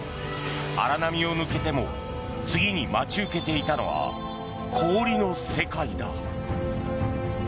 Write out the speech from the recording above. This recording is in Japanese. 荒波を抜けても次に待ち受けていたのは氷の世界だ。